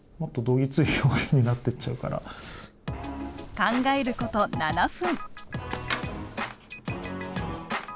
考えること７分。